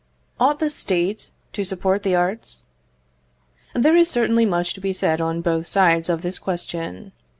Ought the State to support the arts? There is certainly much to be said on both sides of this question.